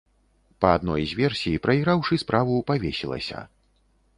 Па адной з версій, прайграўшы справу, павесілася.